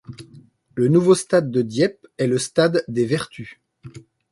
Le nouveau stade de Dieppe est le stade des Vertus.